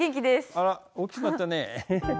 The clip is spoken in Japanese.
あら大きくなったね。